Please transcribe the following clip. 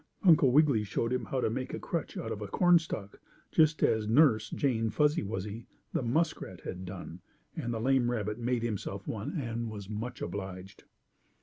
Uncle Wiggily showed him how to make a crutch out of a cornstalk, just as Nurse Jane Fuzzy Wuzzy, the muskrat, had done, and the lame rabbit made himself one and was much obliged.